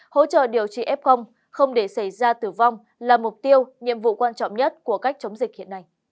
hỗ trợ điều trị f không để xảy ra tử vong là mục tiêu nhiệm vụ quan trọng nhất của cách chống dịch hiện nay